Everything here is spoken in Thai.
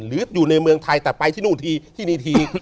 หรืออยู่ในเมืองไทยแต่ไปที่นู่นทีที่นี่ที